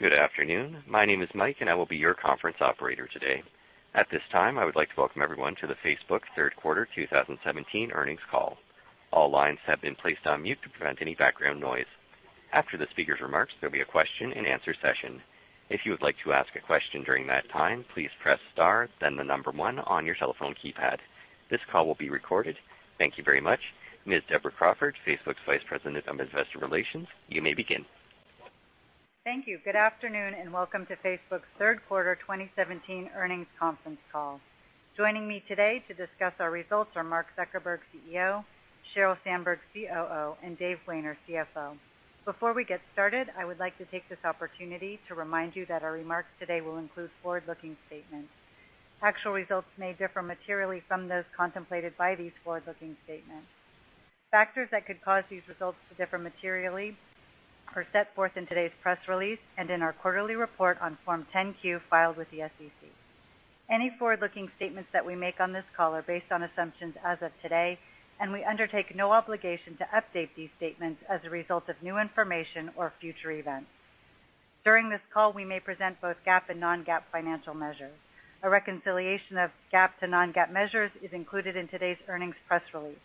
Good afternoon. My name is Mike, and I will be your conference operator today. At this time, I would like to welcome everyone to the Facebook third quarter 2017 earnings call. All lines have been placed on mute to prevent any background noise. After the speaker's remarks, there'll be a question-and-answer session. If you would like to ask a question during that time please press star then number one on your telephone keypad. This call will be recorded. Thank you very much. Ms. Deborah Crawford, Facebook's Vice President of Investor Relations, you may begin. Thank you. Good afternoon, and welcome to Facebook's third quarter 2017 earnings conference call. Joining me today to discuss our results are Mark Zuckerberg, CEO; Sheryl Sandberg, COO; and Dave Wehner, CFO. Before we get started, I would like to take this opportunity to remind you that our remarks today will include forward-looking statements. Actual results may differ materially from those contemplated by these forward-looking statements. Factors that could cause these results to differ materially are set forth in today's press release and in our quarterly report on Form 10-Q filed with the SEC. Any forward-looking statements that we make on this call are based on assumptions as of today, and we undertake no obligation to update these statements as a result of new information or future events. During this call, we may present both GAAP and non-GAAP financial measures. A reconciliation of GAAP to non-GAAP measures is included in today's earnings press release.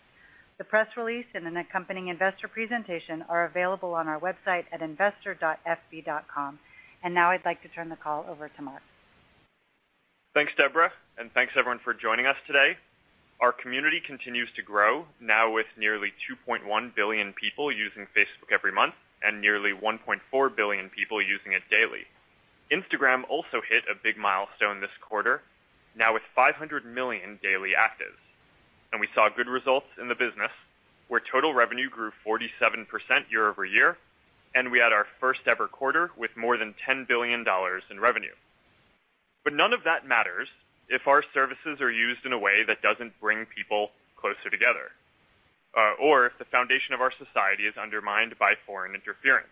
The press release and an accompanying investor presentation are available on our website at investor.fb.com. Now I'd like to turn the call over to Mark. Thanks, Deborah, and thanks everyone for joining us today. Our community continues to grow, now with nearly 2.1 billion people using Facebook every month and nearly 1.4 billion people using it daily. Instagram also hit a big milestone this quarter, now with 500 million daily actives. We saw good results in the business, where total revenue grew 47% year-over-year, and we had our first-ever quarter with more than $10 billion in revenue. None of that matters if our services are used in a way that doesn't bring people closer together, or if the foundation of our society is undermined by foreign interference.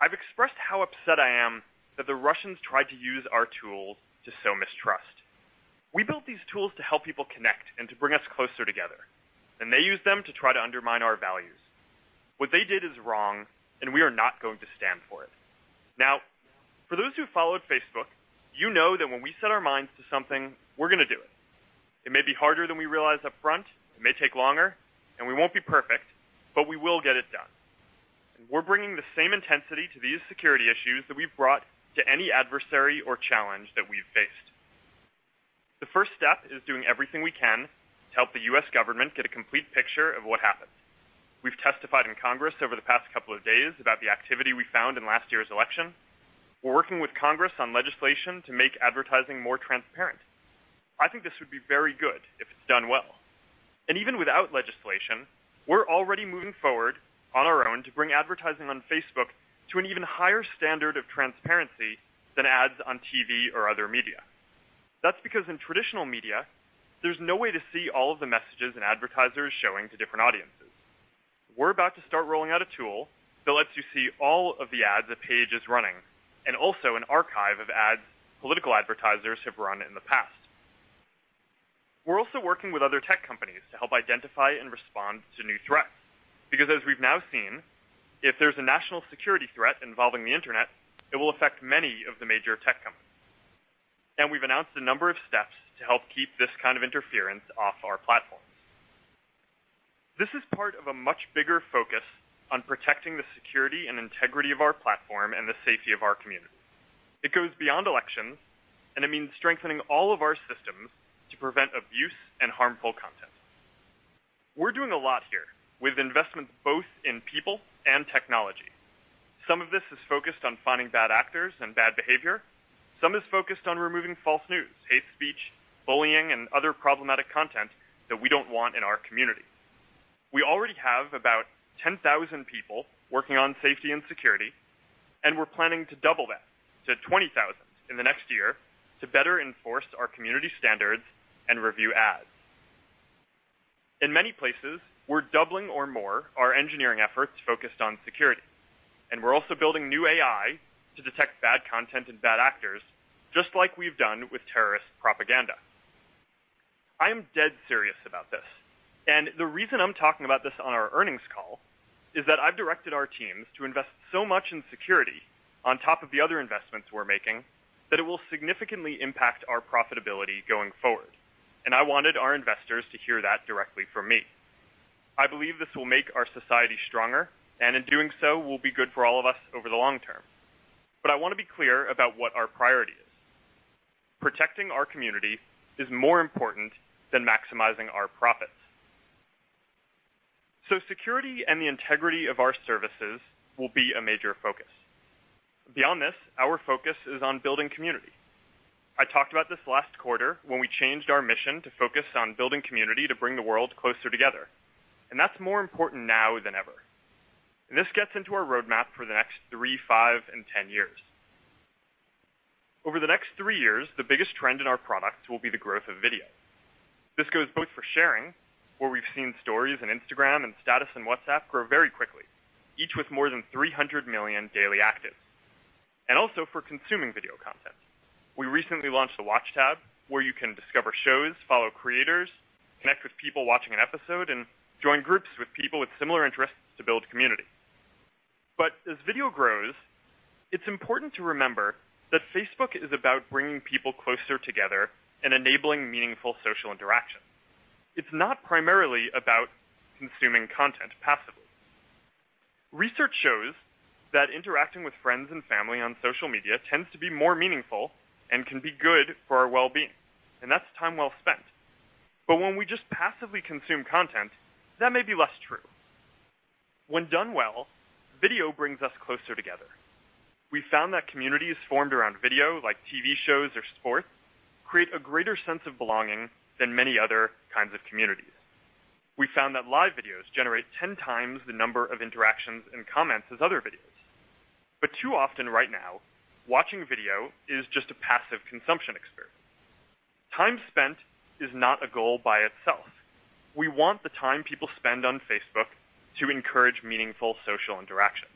I've expressed how upset I am that the Russians tried to use our tools to sow mistrust. We built these tools to help people connect and to bring us closer together, and they used them to try to undermine our values. What they did is wrong, and we are not going to stand for it. For those who followed Facebook, you know that when we set our minds to something, we're gonna do it. It may be harder than we realize upfront, it may take longer, and we won't be perfect, but we will get it done. We're bringing the same intensity to these security issues that we've brought to any adversary or challenge that we've faced. The first step is doing everything we can to help the U.S. government get a complete picture of what happened. We've testified in Congress over the past couple of days about the activity we found in last year's election. We're working with Congress on legislation to make advertising more transparent. I think this would be very good if it's done well. Even without legislation, we're already moving forward on our own to bring advertising on Facebook to an even higher standard of transparency than ads on TV or other media. That's because in traditional media, there's no way to see all of the messages and advertisers showing to different audiences. We're about to start rolling out a tool that lets you see all of the ads a page is running and also an archive of ads political advertisers have run in the past. We're also working with other tech companies to help identify and respond to new threats because as we've now seen, if there's a national security threat involving the Internet, it will affect many of the major tech companies. We've announced a number of steps to help keep this kind of interference off our platforms. This is part of a much bigger focus on protecting the security and integrity of our platform and the safety of our community. It goes beyond elections, it means strengthening all of our systems to prevent abuse and harmful content. We're doing a lot here with investment both in people and technology. Some of this is focused on finding bad actors and bad behavior. Some is focused on removing false news, hate speech, bullying, and other problematic content that we don't want in our community. We already have about 10,000 people working on safety and security, we're planning to double that to 20,000 in the next year to better enforce our community standards and review ads. In many places, we're doubling or more our engineering efforts focused on security, and we're also building new AI to detect bad content and bad actors, just like we've done with terrorist propaganda. I am dead serious about this, and the reason I'm talking about this on our earnings call is that I've directed our teams to invest so much in security on top of the other investments we're making, that it will significantly impact our profitability going forward. I wanted our investors to hear that directly from me. I believe this will make our society stronger, and in doing so, will be good for all of us over the long term. I wanna be clear about what our priority is. Protecting our community is more important than maximizing our profits. Security and the integrity of our services will be a major focus. Beyond this, our focus is on building community. I talked about this last quarter when we changed our mission to focus on building community to bring the world closer together, and that's more important now than ever. This gets into our roadmap for the next three, five, and 10 years. Over the next three years, the biggest trend in our products will be the growth of video. This goes both for sharing, where we've seen Stories in Instagram and Status in WhatsApp grow very quickly, each with more than 300 million daily actives. Also for consuming video content. We recently launched the Watch tab, where you can discover shows, follow creators, connect with people watching an episode, and join groups with people with similar interests to build community. As video grows, it's important to remember that Facebook is about bringing people closer together and enabling meaningful social interaction. It's not primarily about consuming content passively. Research shows that interacting with friends and family on social media tends to be more meaningful and can be good for our well-being, and that's time well spent. When we just passively consume content, that may be less true. When done well, video brings us closer together. We found that communities formed around video, like TV shows or sports, create a greater sense of belonging than many other kinds of communities. We found that live videos generate 10 times the number of interactions and comments as other videos. Too often right now, watching video is just a passive consumption experience. Time spent is not a goal by itself. We want the time people spend on Facebook to encourage meaningful social interactions.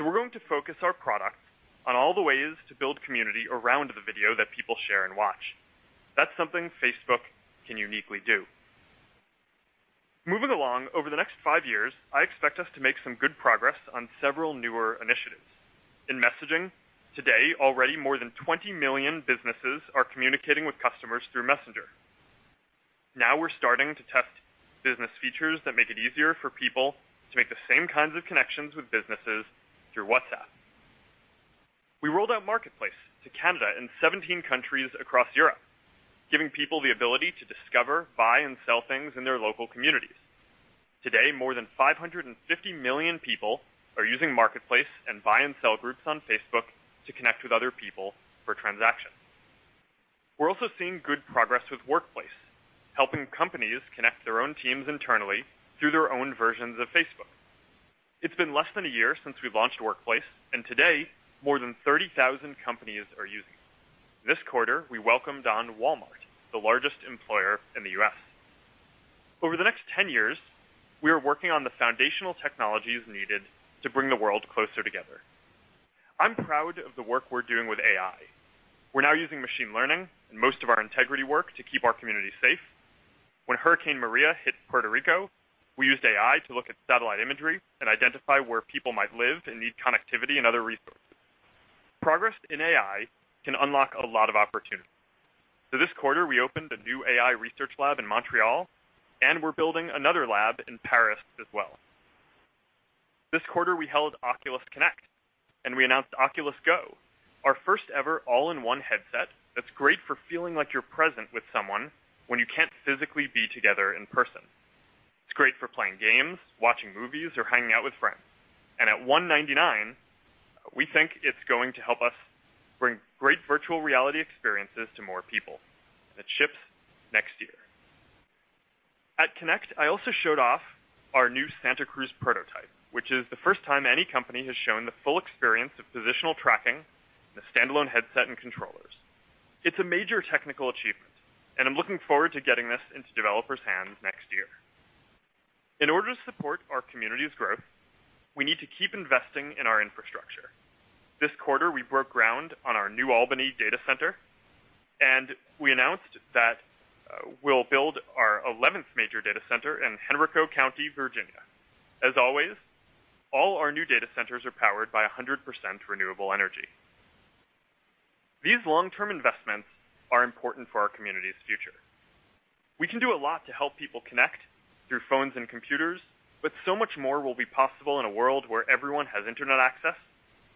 We're going to focus our product on all the ways to build community around the video that people share and watch. That's something Facebook can uniquely do. Moving along, over the next five years, I expect us to make some good progress on several newer initiatives. In messaging, today, already more than 20 million businesses are communicating with customers through Messenger. We're starting to test business features that make it easier for people to make the same kinds of connections with businesses through WhatsApp. We rolled out Marketplace to Canada and 17 countries across Europe, giving people the ability to discover, buy, and sell things in their local communities. Today, more than 550 million people are using Marketplace and Buy and Sell Groups on Facebook to connect with other people for transactions. We're also seeing good progress with Workplace, helping companies connect their own teams internally through their own versions of Facebook. It's been less than a year since we launched Workplace, and today, more than 30,000 companies are using it. This quarter, we welcomed on Walmart, the largest employer in the U.S. Over the next 10 years, we are working on the foundational technologies needed to bring the world closer together. I'm proud of the work we're doing with AI. We're now using machine learning in most of our integrity work to keep our community safe. When Hurricane Maria hit Puerto Rico, we used AI to look at satellite imagery and identify where people might live and need connectivity and other resources. Progress in AI can unlock a lot of opportunity. This quarter, we opened a new AI research lab in Montreal, and we're building another lab in Paris as well. This quarter, we held Oculus Connect, and we announced Oculus Go, our first ever all-in-one headset that's great for feeling like you're present with someone when you can't physically be together in person. It's great for playing games, watching movies, or hanging out with friends. At $199, we think it's going to help us bring great virtual reality experiences to more people. It ships next year. At Connect, I also showed off our new Santa Cruz prototype, which is the first time any company has shown the full experience of positional tracking in a standalone headset and controllers. It's a major technical achievement, and I'm looking forward to getting this into developers' hands next year. In order to support our community's growth, we need to keep investing in our infrastructure. This quarter, we broke ground on our New Albany data center, and we announced that we'll build our 11th major data center in Henrico County, Virginia. As always, all our new data centers are powered by 100% renewable energy. These long-term investments are important for our community's future. We can do a lot to help people connect through phones and computers, but so much more will be possible in a world where everyone has internet access,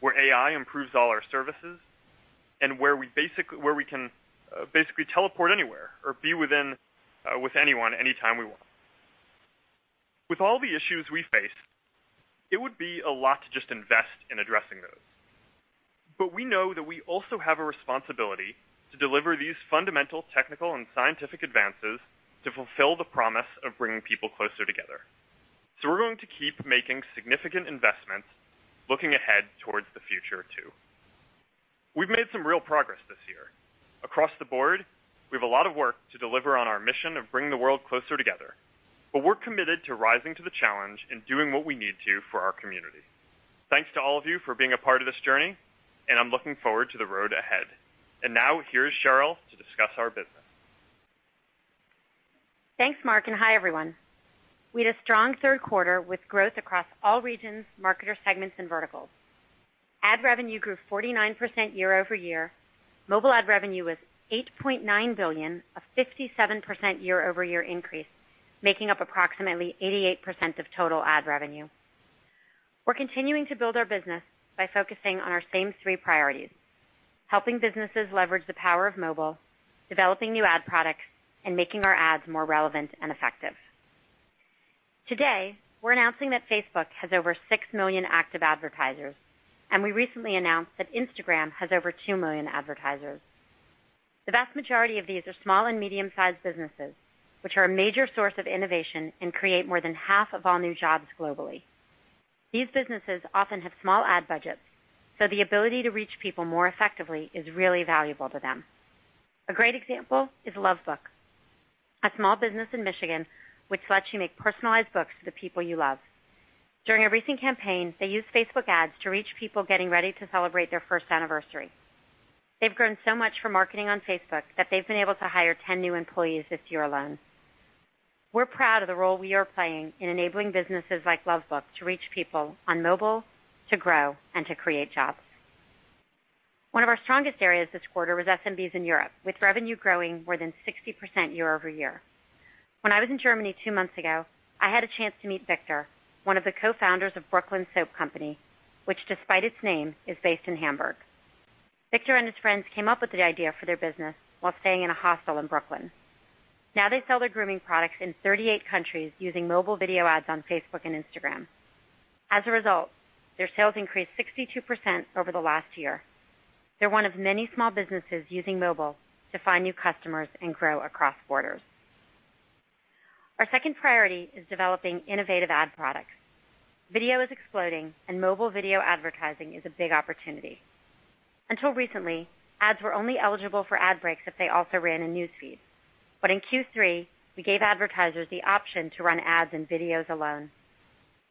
where AI improves all our services, and where we can basically teleport anywhere or be within with anyone anytime we want. With all the issues we face, it would be a lot to just invest in addressing those. We know that we also have a responsibility to deliver these fundamental technical and scientific advances to fulfill the promise of bringing people closer together. We're going to keep making significant investments looking ahead towards the future too. We've made some real progress this year. Across the board, we have a lot of work to deliver on our mission of bringing the world closer together. We're committed to rising to the challenge and doing what we need to for our community. Thanks to all of you for being a part of this journey, and I'm looking forward to the road ahead. Now here's Sheryl to discuss our business. Thanks, Mark, hi, everyone. We had a strong third quarter with growth across all regions, marketer segments, and verticals. Ad revenue grew 49% year-over-year. Mobile ad revenue was $8.9 billion, a 57% year-over-year increase, making up approximately 88% of total ad revenue. We're continuing to build our business by focusing on our same three priorities: helping businesses leverage the power of mobile, developing new ad products, and making our ads more relevant and effective. Today, we're announcing that Facebook has over 6 million active advertisers, and we recently announced that Instagram has over 2 million advertisers. The vast majority of these are small and medium-sized businesses, which are a major source of innovation and create more than half of all new jobs globally. These businesses often have small ad budgets, the ability to reach people more effectively is really valuable to them. A great example is LoveBook, a small business in Michigan which lets you make personalized books to the people you love. During a recent campaign, they used Facebook ads to reach people getting ready to celebrate their first anniversary. They've grown so much from marketing on Facebook that they've been able to hire 10 new employees this year alone. We're proud of the role we are playing in enabling businesses like LoveBook to reach people on mobile, to grow, and to create jobs. One of our strongest areas this quarter was SMBs in Europe, with revenue growing more than 60% year-over-year. When I was in Germany two months ago, I had a chance to meet Victor, one of the Co-founders of Brooklyn Soap Company, which despite its name, is based in Hamburg. Victor and his friends came up with the idea for their business while staying in a hostel in Brooklyn. Now, they sell their grooming products in 38 countries using mobile video ads on Facebook and Instagram. As a result, their sales increased 62% over the last year. They're one of many small businesses using mobile to find new customers and grow across borders. Our second priority is developing innovative ad products. Video is exploding and mobile video advertising is a big opportunity. Until recently, ads were only eligible for ad breaks if they also ran in News Feed. In Q3, we gave advertisers the option to run ads in videos alone.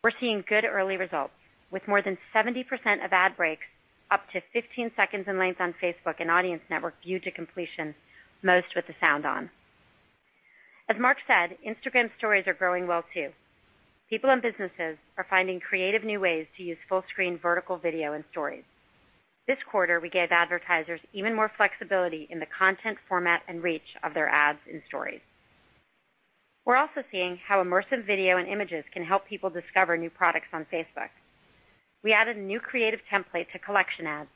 We're seeing good early results, with more than 70% of ad breaks up to 15 seconds in length on Facebook and Audience Network viewed to completion, most with the sound on. As Mark said, Instagram Stories are growing well, too. People and businesses are finding creative new ways to use full-screen vertical video in Stories. This quarter, we gave advertisers even more flexibility in the content, format, and reach of their ads in Stories. We're also seeing how immersive video and images can help people discover new products on Facebook. We added a new creative template to Collection ads,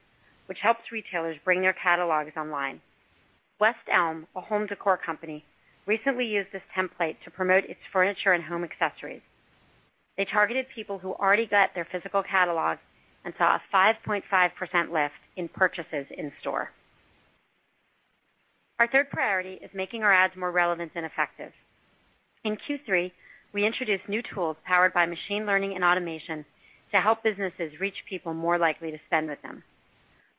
which helps retailers bring their catalogs online. West Elm, a home décor company, recently used this template to promote its furniture and home accessories. They targeted people who already got their physical catalog and saw a 5.5% lift in purchases in store. Our third priority is making our ads more relevant and effective. In Q3, we introduced new tools powered by machine learning and automation to help businesses reach people more likely to spend with them.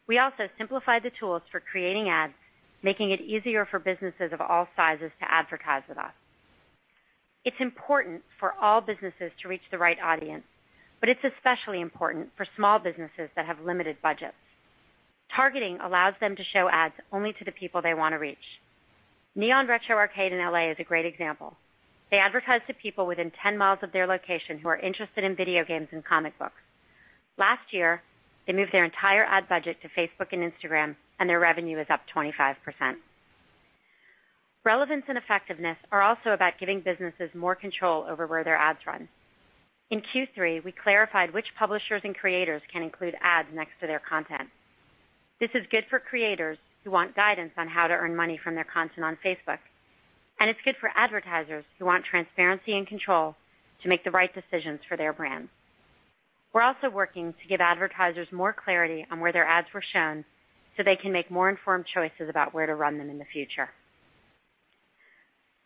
We also simplified the tools for creating ads, making it easier for businesses of all sizes to advertise with us. It's important for all businesses to reach the right audience, but it's especially important for small businesses that have limited budgets. Targeting allows them to show ads only to the people they wanna reach. Neon Retro Arcade in L.A. is a great example. They advertise to people within 10 mi of their location who are interested in video games and comic books. Last year, they moved their entire ad budget to Facebook and Instagram, and their revenue is up 25%. Relevance and effectiveness are also about giving businesses more control over where their ads run. In Q3, we clarified which publishers and creators can include ads next to their content. This is good for creators who want guidance on how to earn money from their content on Facebook, and it's good for advertisers who want transparency and control to make the right decisions for their brands. We're also working to give advertisers more clarity on where their ads were shown so they can make more informed choices about where to run them in the future.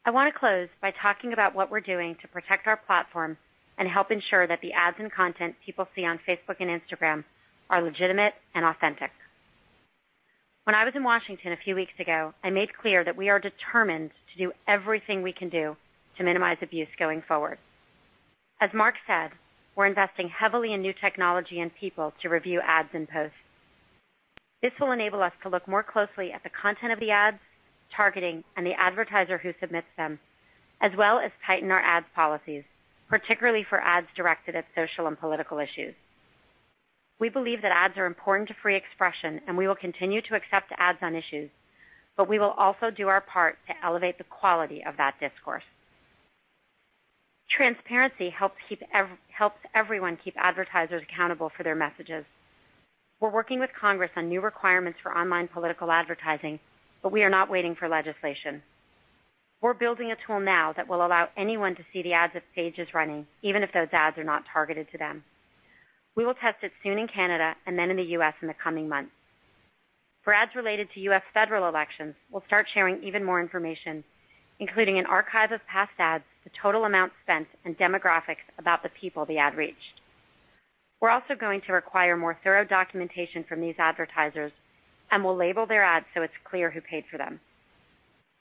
I wanna close by talking about what we're doing to protect our platform and help ensure that the ads and content people see on Facebook and Instagram are legitimate and authentic. When I was in Washington a few weeks ago, I made clear that we are determined to do everything we can do to minimize abuse going forward. As Mark said, we're investing heavily in new technology and people to review ads and posts. This will enable us to look more closely at the content of the ads, targeting, and the advertiser who submits them, as well as tighten our ads policies, particularly for ads directed at social and political issues. We believe that ads are important to free expression. We will continue to accept ads on issues. We will also do our part to elevate the quality of that discourse. Transparency helps everyone keep advertisers accountable for their messages. We're working with Congress on new requirements for online political advertising. We are not waiting for legislation. We're building a tool now that will allow anyone to see the ads a page is running, even if those ads are not targeted to them. We will test it soon in Canada and then in the U.S. in the coming months. For ads related to U.S. federal elections, we'll start sharing even more information, including an archive of past ads, the total amount spent, and demographics about the people the ad reached. We're also going to require more thorough documentation from these advertisers, and we'll label their ads so it's clear who paid for them.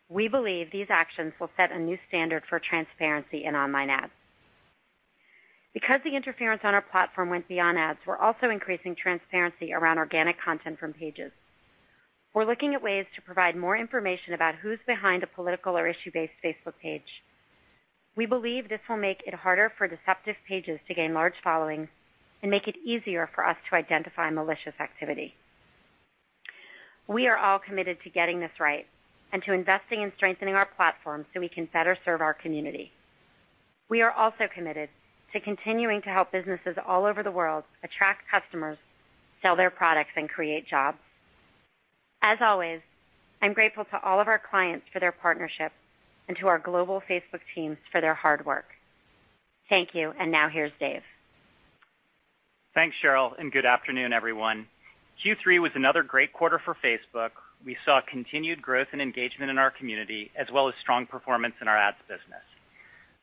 We believe these actions will set a new standard for transparency in online ads. Because the interference on our platform went beyond ads, we're also increasing transparency around organic content from pages. We're looking at ways to provide more information about who's behind a political or issue-based Facebook page. We believe this will make it harder for deceptive pages to gain large followings and make it easier for us to identify malicious activity. We are all committed to getting this right and to investing in strengthening our platform so we can better serve our community. We are also committed to continuing to help businesses all over the world attract customers, sell their products, and create jobs. As always, I'm grateful to all of our clients for their partnership and to our global Facebook teams for their hard work. Thank you, and now here's Dave. Thanks, Sheryl, and good afternoon, everyone. Q3 was another great quarter for Facebook. We saw continued growth and engagement in our community, as well as strong performance in our ads business.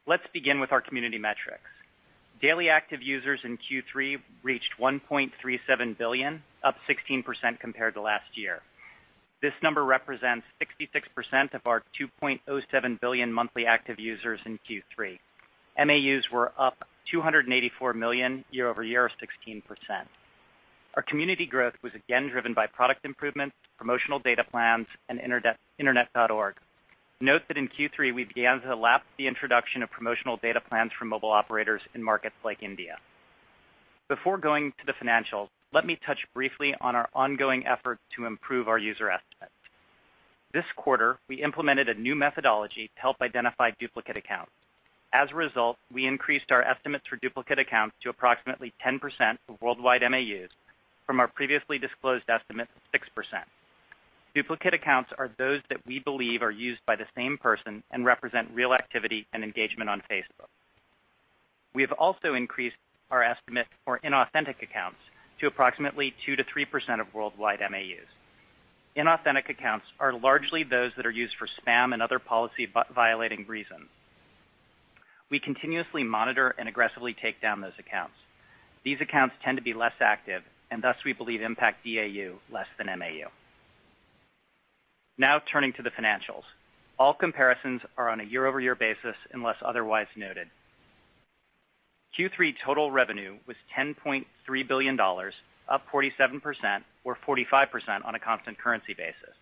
Let's begin with our community metrics. Daily active users in Q3 reached 1.37 billion, up 16% compared to last year. This number represents 66% of our 2.07 billion monthly active users in Q3. MAUs were up 284 million year-over-year of 16%. Our community growth was again driven by product improvements, promotional data plans, and Internet.org. Note that in Q3, we began to lap the introduction of promotional data plans for mobile operators in markets like India. Before going to the financials, let me touch briefly on our ongoing effort to improve our user estimates. This quarter, we implemented a new methodology to help identify duplicate accounts. As a result, we increased our estimates for duplicate accounts to approximately 10% of worldwide MAUs from our previously disclosed estimate of 6%. Duplicate accounts are those that we believe are used by the same person and represent real activity and engagement on Facebook. We have also increased our estimate for inauthentic accounts to approximately 2%-3% of worldwide MAUs. Inauthentic accounts are largely those that are used for spam and other policy violating reasons. We continuously monitor and aggressively take down those accounts. These accounts tend to be less active, and thus, we believe impact DAU less than MAU. Now turning to the financials. All comparisons are on a year-over-year basis unless otherwise noted. Q3 total revenue was $10.3 billion, up 47% or 45% on a constant currency basis.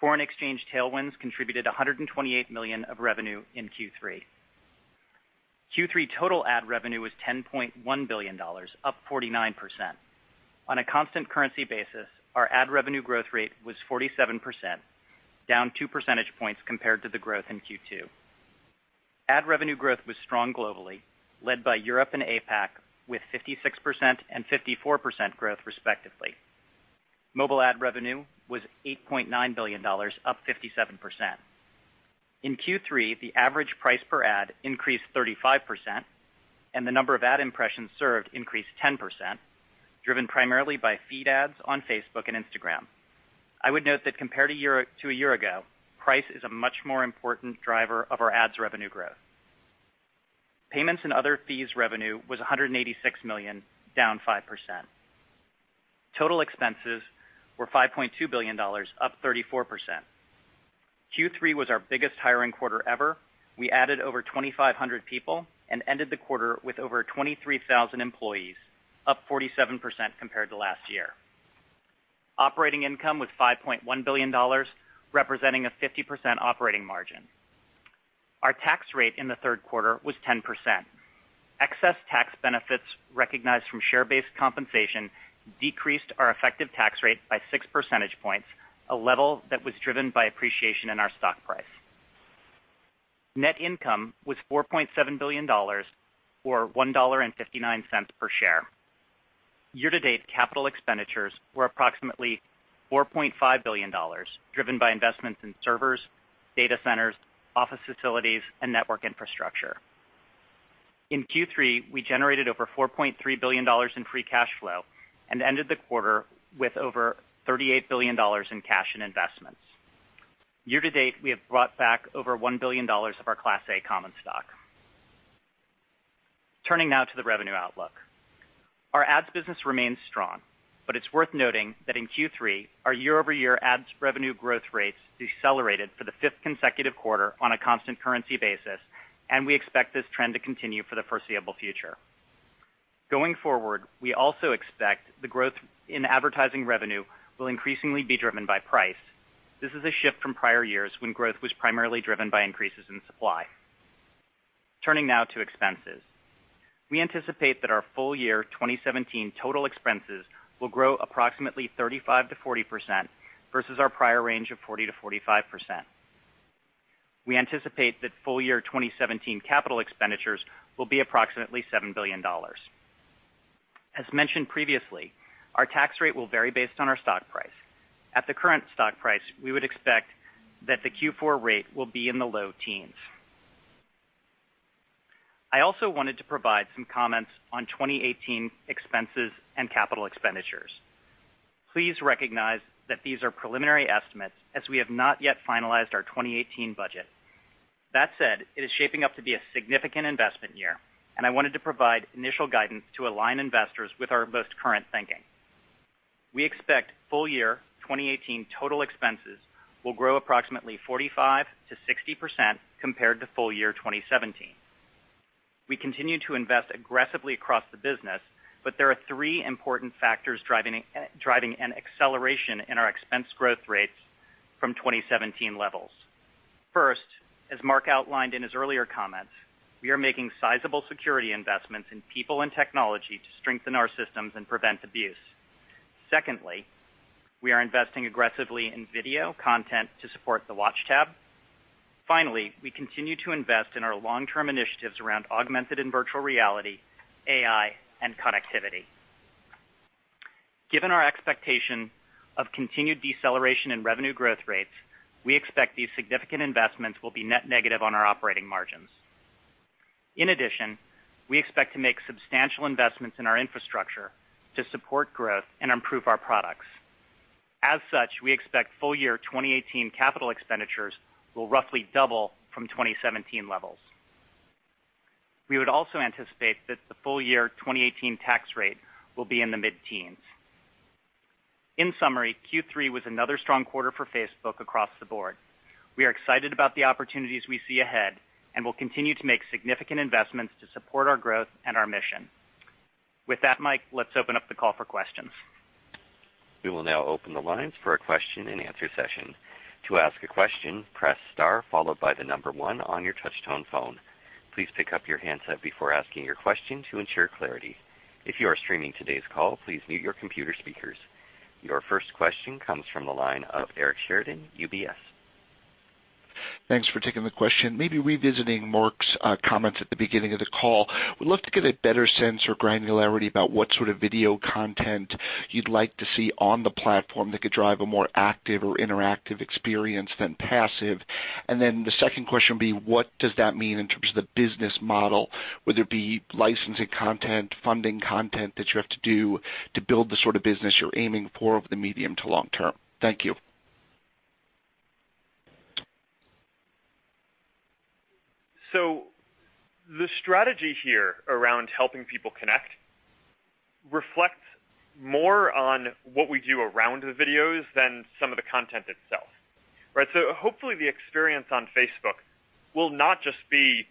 Foreign exchange tailwinds contributed $128 million of revenue in Q3. Q3 total ad revenue was $10.1 billion, up 49%. On a constant currency basis, our ad revenue growth rate was 47%, down 2 percentage points compared to the growth in Q2. Ad revenue growth was strong globally, led by Europe and APAC with 56% and 54% growth respectively. Mobile ad revenue was $8.9 billion, up 57%. In Q3, the average price per ad increased 35%, and the number of ad impressions served increased 10%, driven primarily by feed ads on Facebook and Instagram. I would note that compared to a year ago, price is a much more important driver of our ads revenue growth. Payments and other fees revenue was $186 million, down 5%. Total expenses were $5.2 billion, up 34%. Q3 was our biggest hiring quarter ever. We added over 2,500 people and ended the quarter with over 23,000 employees, up 47% compared to last year. Operating income was $5.1 billion, representing a 50% operating margin. Our tax rate in the third quarter was 10%. Excess tax benefits recognized from share-based compensation decreased our effective tax rate by 6 percentage points, a level that was driven by appreciation in our stock price. Net income was $4.7 billion or $1.59 per share. Year-to-date capital expenditures were approximately $4.5 billion, driven by investments in servers, data centers, office facilities, and network infrastructure. In Q3, we generated over $4.3 billion in free cash flow and ended the quarter with over $38 billion in cash and investments. Year-to-date, we have brought back over $1 billion of our Class A common stock. Turning now to the revenue outlook. Our ads business remains strong, but it's worth noting that in Q3, our year-over-year ads revenue growth rates decelerated for the fifth consecutive quarter on a constant currency basis, and we expect this trend to continue for the foreseeable future. Going forward, we also expect the growth in advertising revenue will increasingly be driven by price. This is a shift from prior years when growth was primarily driven by increases in supply. Turning now to expenses. We anticipate that our full year 2017 total expenses will grow approximately 35%-40% versus our prior range of 40%-45%. We anticipate that full year 2017 capital expenditures will be approximately $7 billion. As mentioned previously, our tax rate will vary based on our stock price. At the current stock price, we would expect that the Q4 rate will be in the low teens. I also wanted to provide some comments on 2018 expenses and capital expenditures. Please recognize that these are preliminary estimates as we have not yet finalized our 2018 budget. That said, it is shaping up to be a significant investment year, and I wanted to provide initial guidance to align investors with our most current thinking. We expect full year 2018 total expenses will grow approximately 45%-60% compared to full year 2017. We continue to invest aggressively across the business, but there are three important factors driving an acceleration in our expense growth rates from 2017 levels. First, as Mark outlined in his earlier comments, we are making sizable security investments in people and technology to strengthen our systems and prevent abuse. Secondly, we are investing aggressively in video content to support the Watch tab. Finally, we continue to invest in our long-term initiatives around augmented and virtual reality, AI, and connectivity. Given our expectation of continued deceleration in revenue growth rates, we expect these significant investments will be net negative on our operating margins. In addition, we expect to make substantial investments in our infrastructure to support growth and improve our products. As such, we expect full year 2018 capital expenditures will roughly double from 2017 levels. We would also anticipate that the full year 2018 tax rate will be in the mid-teens. In summary, Q3 was another strong quarter for Facebook across the board. We are excited about the opportunities we see ahead, and we'll continue to make significant investments to support our growth and our mission. With that, Mike, let's open up the call for questions. We will now open the lines for a question-and-answer session. To ask a question, press star followed by the number one on your touchtone phone. Please pick up your handset before asking your question to ensure clarity. If you are streaming today's call, please mute your computer speakers. Your first question comes from the line of Eric Sheridan, UBS. Thanks for taking the question. Maybe revisiting Mark's comments at the beginning of the call. Would love to get a better sense or granularity about what sort of video content you'd like to see on the platform that could drive a more active or interactive experience than passive. The second question would be, what does that mean in terms of the business model, whether it be licensing content, funding content that you have to do to build the sort of business you're aiming for over the medium to long term? Thank you. The strategy here around helping people connect reflects more on what we do around the videos than some of the content itself, right? Hopefully the experience on Facebook will not just be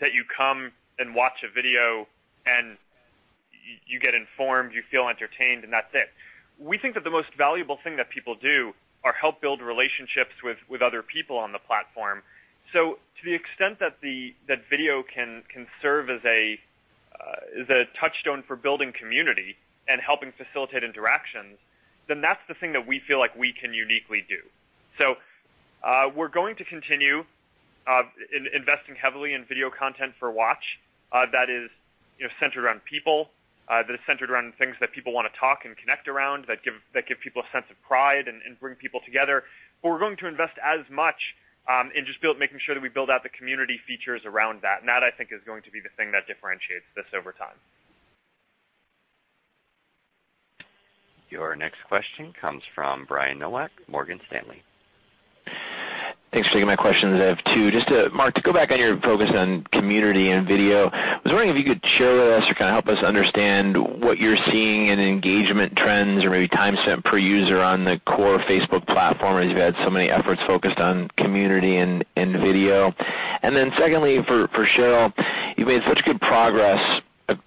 that you come and watch a video and you get informed, you feel entertained, and that's it. We think that the most valuable thing that people do are help build relationships with other people on the platform. To the extent that that video can serve as a touchstone for building community and helping facilitate interactions, then that's the thing that we feel like we can uniquely do. We're going to continue investing heavily in video content for Watch, that is, you know, centered around people, that is centered around things that people wanna talk and connect around, that give people a sense of pride and bring people together. We're going to invest as much in just making sure that we build out the community features around that. That, I think, is going to be the thing that differentiates this over time. Your next question comes from Brian Nowak, Morgan Stanley. Thanks for taking my questions. I have two. Just to, Mark, to go back on your focus on community and video. I was wondering if you could share with us or kind of help us understand what you're seeing in engagement trends or maybe time spent per user on the core Facebook platform as you've had so many efforts focused on community and video. Secondly, for Sheryl, you've made such good progress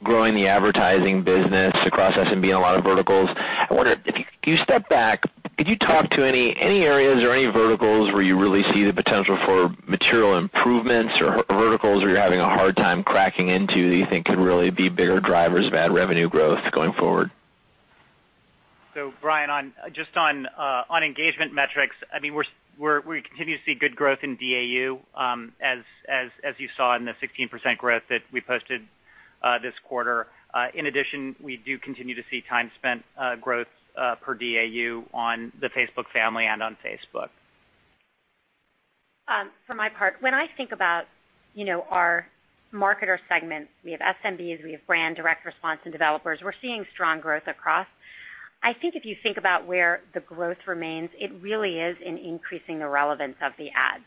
growing the advertising business across SMB in a lot of verticals. I wonder if you step back, could you talk to any areas or any verticals where you really see the potential for material improvements or verticals where you're having a hard time cracking into that you think could really be bigger drivers of ad revenue growth going forward? Brian, just on engagement metrics, I mean, we continue to see good growth in DAU, as you saw in the 16% growth that we posted this quarter. In addition, we do continue to see time spent growth per DAU on the Facebook Family and on Facebook. For my part, when I think about, you know, our marketer segments, we have SMBs, we have brand direct response and developers, we're seeing strong growth across. I think if you think about where the growth remains, it really is in increasing the relevance of the ads.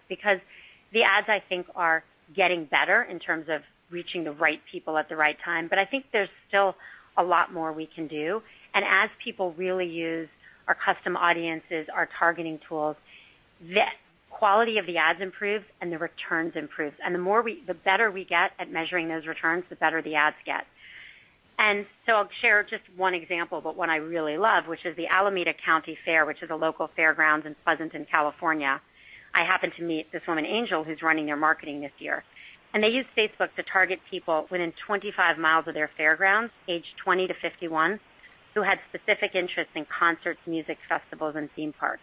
The ads, I think, are getting better in terms of reaching the right people at the right time, but I think there's still a lot more we can do. As people really use our custom audiences, our targeting tools, the quality of the ads improves and the returns improves. The more the better we get at measuring those returns, the better the ads get. I'll share just one example, but one I really love, which is the Alameda County Fair, which is a local fairgrounds in Pleasanton, California. I happened to meet this woman, Angel, who's running their marketing this year, and they used Facebook to target people within 25 mi of their fairgrounds, aged 20-51, who had specific interest in concerts, music festivals, and theme parks.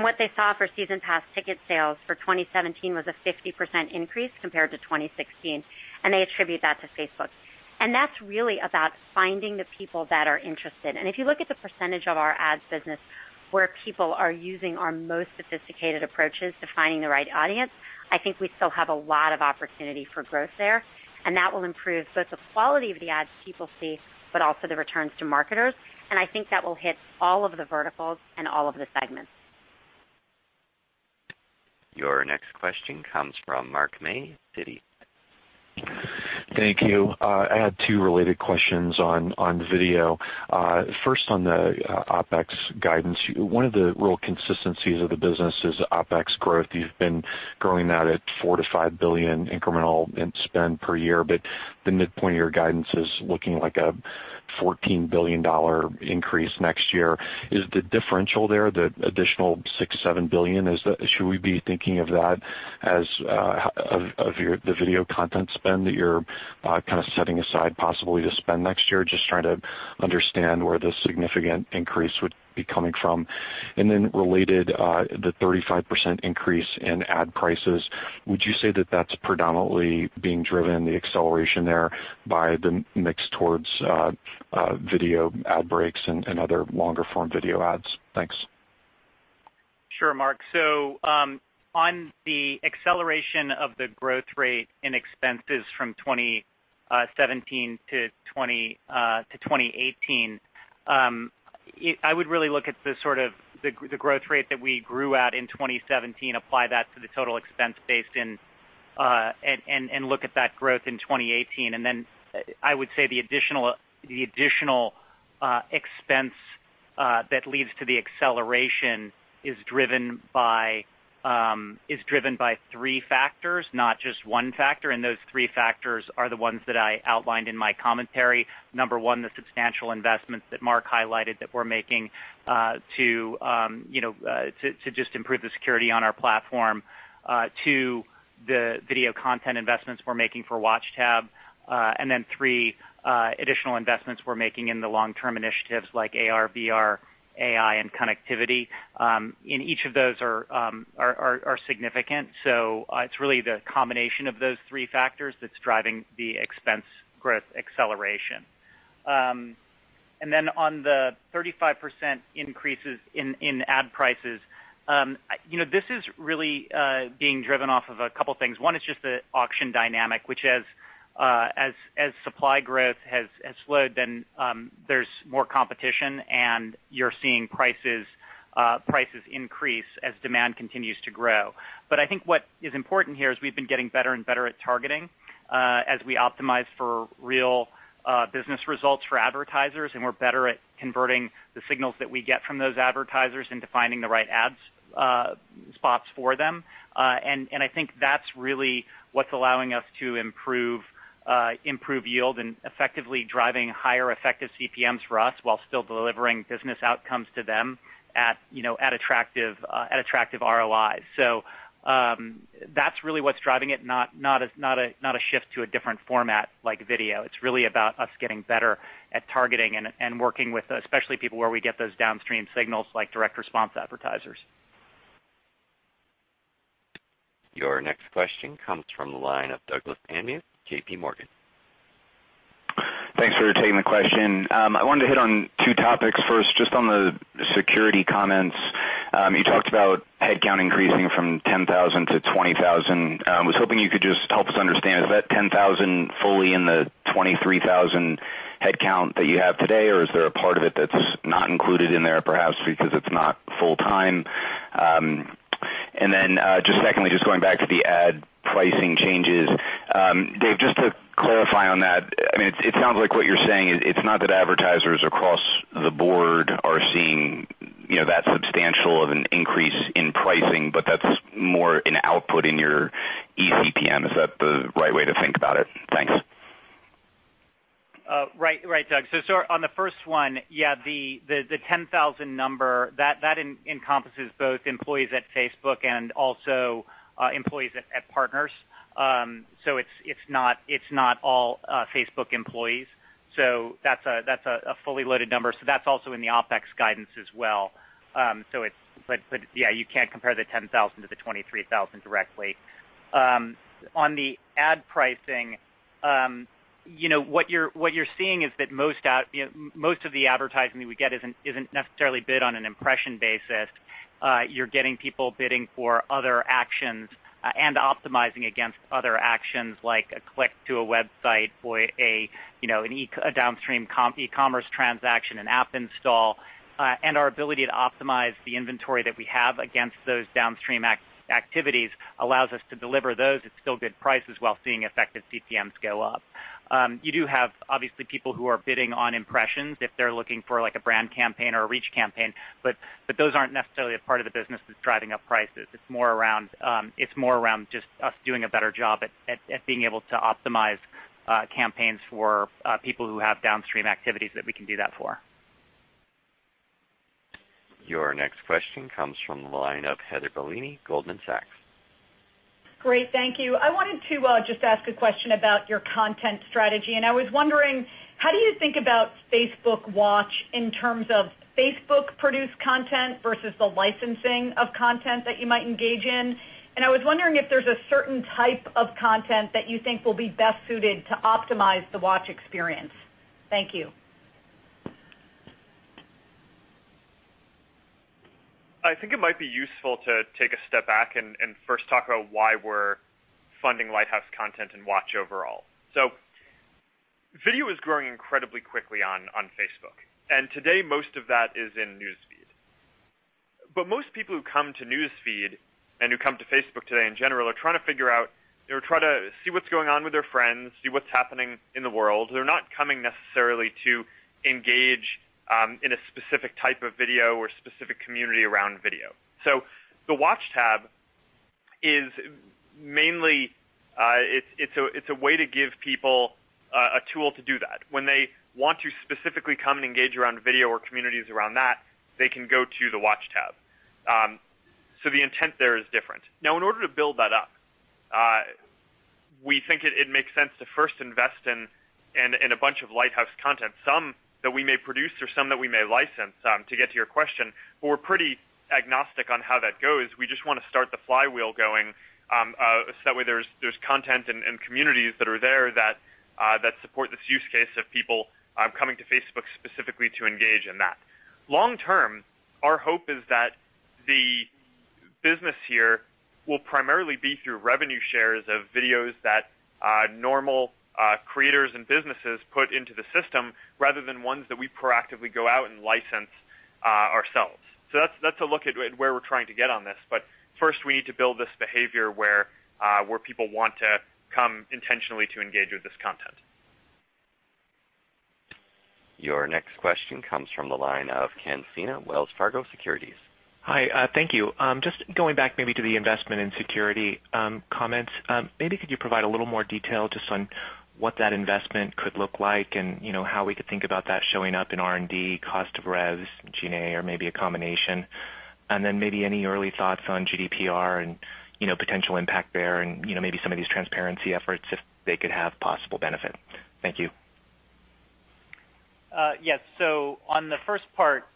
What they saw for season pass ticket sales for 2017 was a 50% increase compared to 2016, and they attribute that to Facebook. That's really about finding the people that are interested. If you look at the percentage of our ads business where people are using our most sophisticated approaches to finding the right audience, I think we still have a lot of opportunity for growth there, and that will improve both the quality of the ads people see, but also the returns to marketers. I think that will hit all of the verticals and all of the segments. Your next question comes from Mark May, Citi. Thank you. I had two related questions on video. First on the OpEx guidance. One of the real consistencies of the business is OpEx growth. You've been growing that at $4 billion-$5 billion incremental in spend per year, but the midpoint of your guidance is looking like a $14 billion increase next year. Is the differential there, the additional $6 billion-$7 billion, should we be thinking of that as the video content spend that you're kind of setting aside possibly to spend next year? Just trying to understand where the significant increase would be coming from. Then related, the 35% increase in ad prices, would you say that that's predominantly being driven, the acceleration there by the mix towards video ad breaks and other longer form video ads? Thanks. Sure, Mark. On the acceleration of the growth rate in expenses from 2017-2018, I would really look at the sort of the growth rate that we grew at in 2017, apply that to the total expense base and look at that growth in 2018. Then I would say the additional expense that leads to the acceleration is driven by three factors, not just one factor. Those three factors are the ones that I outlined in my commentary. Number one, the substantial investments that Mark highlighted that we're making to, you know, just improve the security on our platform. Two, the video content investments we're making for Watch tab. Then three additional investments we're making in the long-term initiatives like AR, VR, AI, and connectivity. Each of those are significant. It's really the combination of those three factors that's driving the expense growth acceleration. Then on the 35% increases in ad prices, you know, this is really being driven off of a couple things. One is just the auction dynamic, which as supply growth has slowed, then there's more competition, and you're seeing prices increase as demand continues to grow. I think what is important here is we've been getting better and better at targeting, as we optimize for real business results for advertisers, and we're better at converting the signals that we get from those advertisers into finding the right ads spots for them. I think that's really what's allowing us to improve improve yield and effectively driving higher effective CPMs for us while still delivering business outcomes to them at attractive ROIs. That's really what's driving it, not a shift to a different format like video. It's really about us getting better at targeting and working with, especially people where we get those downstream signals like direct response advertisers. Your next question comes from the line of Douglas Anmuth, JPMorgan. Thanks for taking the question. I wanted to hit on two topics. First, just on the security comments. You talked about headcount increasing from 10,000-20,000. Was hoping you could just help us understand, is that 10,000 fully in the 23,000 headcount that you have today, or is there a part of it that's not included in there, perhaps because it's not full-time? Secondly, just going back to the ad pricing changes. Dave, just to clarify on that, I mean, it sounds like what you're saying is it's not that advertisers across the board are seeing, you know, that substantial of an increase in pricing, but that's more an output in your eCPM. Is that the right way to think about it? Thanks. Right. Right, Doug. On the first one, yeah, the 10,000 number, that encompasses both employees at Facebook and also employees at partners. It's not all Facebook employees, so that's a fully loaded number. That's also in the OpEx guidance as well. But yeah, you can't compare the 10,000 to the 23,000 directly. On the ad pricing, you know, what you're seeing is that most of the advertising that we get isn't necessarily bid on an impression basis. You're getting people bidding for other actions and optimizing against other actions like a click to a website or a, you know, a downstream e-commerce transaction, an app install. Our ability to optimize the inventory that we have against those downstream activities allows us to deliver those at still good prices while seeing effective CPMs go up. You do have, obviously, people who are bidding on impressions if they're looking for like a brand campaign or a reach campaign, but those aren't necessarily a part of the business that's driving up prices. It's more around, it's more around just us doing a better job at being able to optimize campaigns for people who have downstream activities that we can do that for. Your next question comes from the line of Heather Bellini, Goldman Sachs. Great. Thank you. I wanted to just ask a question about your content strategy. I was wondering, how do you think about Facebook Watch in terms of Facebook-produced content versus the licensing of content that you might engage in? I was wondering if there's a certain type of content that you think will be best suited to optimize the Watch experience. Thank you. I think it might be useful to take a step back and first talk about why we're funding Lighthouse Content and Watch overall. Video is growing incredibly quickly on Facebook. Today, most of that is in News Feed. Most people who come to News Feed and who come to Facebook today in general are trying to see what's going on with their friends, see what's happening in the world. They're not coming necessarily to engage in a specific type of video or specific community around video. The Watch tab is mainly, it's a way to give people a tool to do that. When they want to specifically come and engage around video or communities around that, they can go to the Watch tab. The intent there is different. In order to build that up, we think it makes sense to first invest in a bunch of Lighthouse Content, some that we may produce or some that we may license, to get to your question. We're pretty agnostic on how that goes. We just want to start the flywheel going, that way there's content and communities that are there that support this use case of people coming to Facebook specifically to engage in that. Long term, our hope is that the business here will primarily be through revenue shares of videos that normal creators and businesses put into the system rather than ones that we proactively go out and license ourselves. That's a look at where we're trying to get on this. First, we need to build this behavior where people want to come intentionally to engage with this content. Your next question comes from the line of Ken Sena, Wells Fargo Securities. Hi, thank you. Just going back maybe to the investment in security, comments, maybe could you provide a little more detail just on what that investment could look like and, you know, how we could think about that showing up in R&D, cost of revs, G&A or maybe a combination? Maybe any early thoughts on GDPR and, you know, potential impact there and, you know, maybe some of these transparency efforts if they could have possible benefit. Thank you. Yes. On the first part,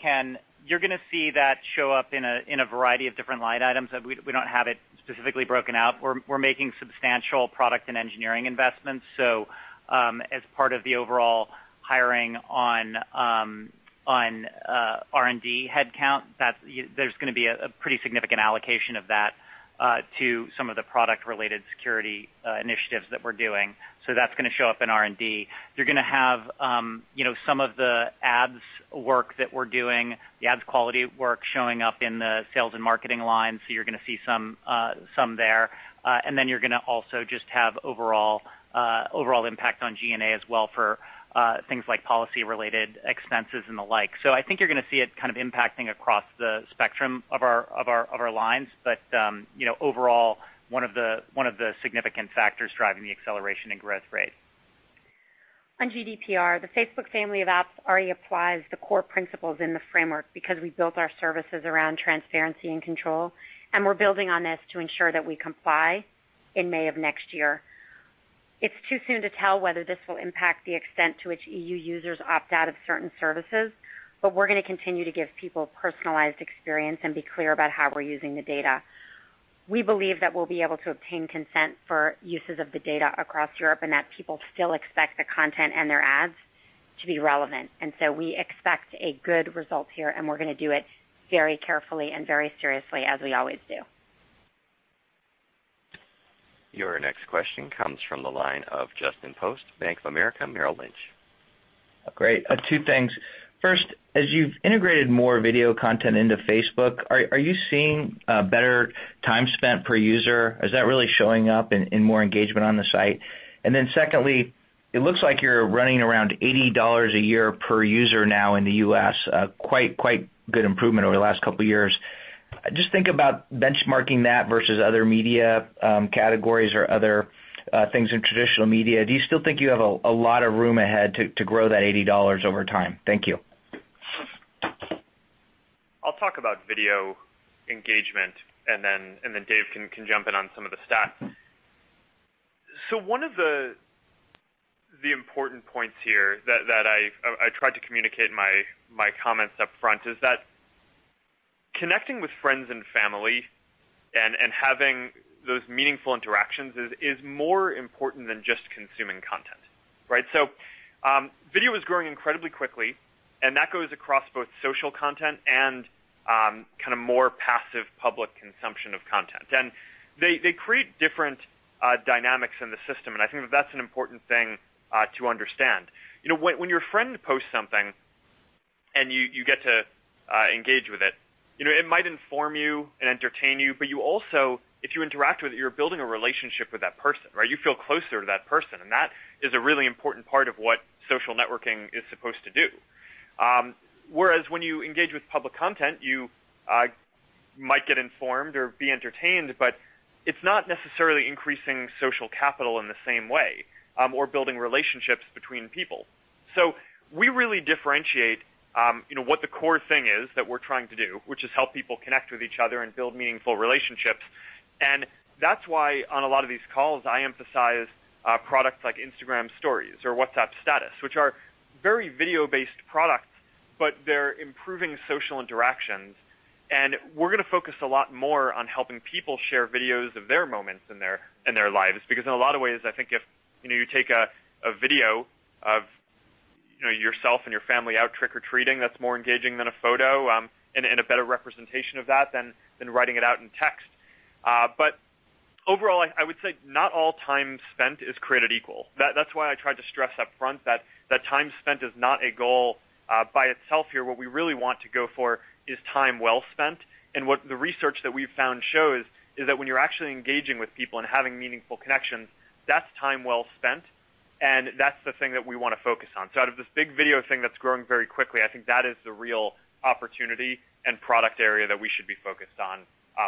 Ken, you're going to see that show up in a variety of different line items that we don't have it specifically broken out. We're making substantial product and engineering investments. As part of the overall hiring on R&D headcount, there's going to be a pretty significant allocation of that to some of the product-related security initiatives that we're doing. That's going to show up in R&D. You're going to have, you know, some of the ads work that we're doing, the ads quality work showing up in the sales and marketing line. You're going to see some there. You're going to also just have overall overall impact on G&A as well for things like policy-related expenses and the like. I think you're gonna see it kind of impacting across the spectrum of our lines. You know, overall, one of the significant factors driving the acceleration in growth rate. On GDPR, the Facebook Family of Apps already applies the core principles in the framework because we built our services around transparency and control, and we're building on this to ensure that we comply in May of next year. It's too soon to tell whether this will impact the extent to which EU users opt out of certain services, but we're gonna continue to give people personalized experience and be clear about how we're using the data. We believe that we'll be able to obtain consent for uses of the data across Europe and that people still expect the content and their ads to be relevant. We expect a good result here, and we're gonna do it very carefully and very seriously as we always do. Your next question comes from the line of Justin Post, Bank of America Merrill Lynch. Great. Two things. First, as you've integrated more video content into Facebook, are you seeing better time spent per user? Is that really showing up in more engagement on the site? Secondly, it looks like you're running around $80 a year per user now in the U.S., quite good improvement over the last couple of years. Just think about benchmarking that versus other media categories or other things in traditional media. Do you still think you have a lot of room ahead to grow that $80 over time? Thank you. I'll talk about video engagement. Then Dave can jump in on some of the stats. One of the important points here that I tried to communicate in my comments up front is that connecting with friends and family and having those meaningful interactions is more important than just consuming content, right? Video is growing incredibly quickly, and that goes across both social content and kind of more passive public consumption of content. They create different dynamics in the system, and I think that that's an important thing to understand. You know, when your friend posts something and you get to engage with it, you know, it might inform you and entertain you, but you also, if you interact with it, you're building a relationship with that person, right? You feel closer to that person, and that is a really important part of what social networking is supposed to do. Whereas when you engage with public content, you might get informed or be entertained, but it's not necessarily increasing social capital in the same way or building relationships between people. We really differentiate, you know, what the core thing is that we're trying to do, which is help people connect with each other and build meaningful relationships. That's why on a lot of these calls, I emphasize products like Instagram Stories or WhatsApp Status, which are very video-based products, but they're improving social interactions. We're gonna focus a lot more on helping people share videos of their moments in their lives. In a lot of ways, I think if, you know, you take a video of, you know, yourself and your family out trick-or-treating, that's more engaging than a photo, and a better representation of that than writing it out in text. Overall, I would say not all time spent is created equal. That's why I tried to stress up front that time spent is not a goal by itself here. What we really want to go for is time well spent. What the research that we've found shows is that when you're actually engaging with people and having meaningful connections, that's time well spent, and that's the thing that we wanna focus on. Out of this big video thing that's growing very quickly, I think that is the real opportunity and product area that we should be focused on,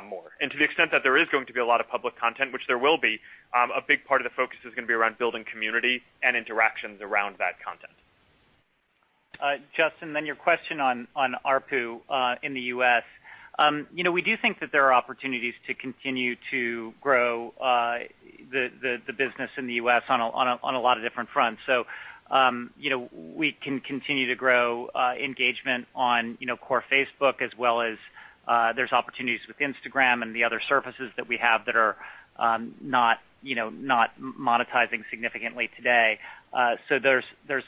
more. To the extent that there is going to be a lot of public content, which there will be, a big part of the focus is gonna be around building community and interactions around that content. Justin, then your question on ARPU in the U.S. You know, we do think that there are opportunities to continue to grow the business in the U.S. on a lot of different fronts. You know, we can continue to grow engagement on, you know, core Facebook as well as there's opportunities with Instagram and the other services that we have that are not, you know, not monetizing significantly today. There's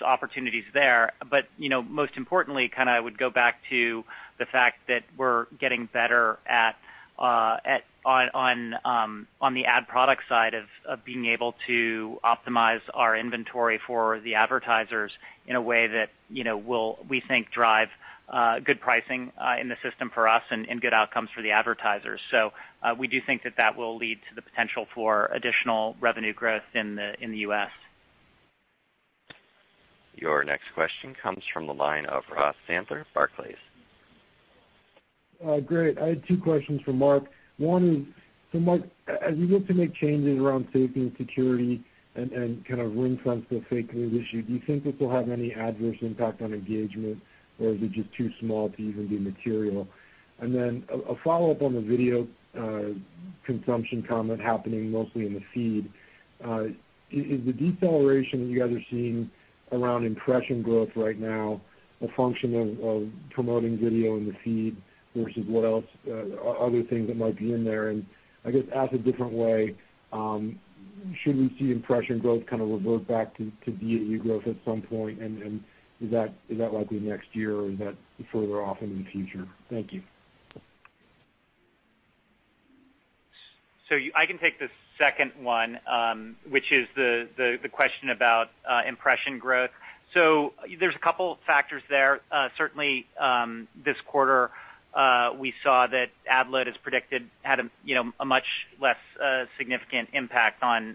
opportunities there. You know, most importantly, kind of I would go back to the fact that we're getting better on the ad product side of being able to optimize our inventory for the advertisers in a way that, you know, will, we think, drive good pricing in the system for us and good outcomes for the advertisers. We do think that that will lead to the potential for additional revenue growth in the U.S. Your next question comes from the line of Ross Sandler, Barclays. Great. I had two questions for Mark. One is, Mark, as you look to make changes around safety and security and kind of ring-fence the fake news issue, do you think this will have any adverse impact on engagement, or is it just too small to even be material? Then a follow-up on the video consumption comment happening mostly in the feed. Is the deceleration that you guys are seeing around impression growth right now a function of promoting video in the feed versus what else, other things that might be in there? I guess asked a different way, should we see impression growth kind of revert back to DAU growth at some point? Is that likely next year, or is that further off into the future? Thank you. I can take the second one, which is the question about impression growth. There's a couple factors there. Certainly, this quarter, we saw that ad load, as predicted, had a, you know, a much less significant impact on